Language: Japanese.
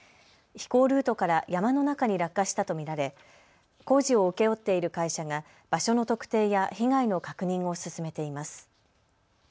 飛行ルートから山の中に落下したと見られ工事を請け負っている会社が場所の特定や被害の確認を進めています。